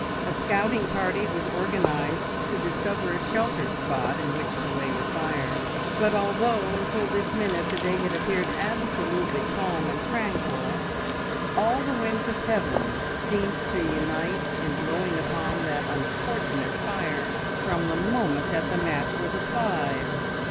A scouting party was organised to discover a sheltered spot in which to lay the fire, but although until this minute the day had appeared absolutely calm and tranquil, all the winds of heaven seemed to unite in blowing upon that unfortunate fire from the moment that the match was applied!